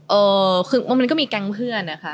เออคือมันก็มีแก๊งเพื่อนนะคะ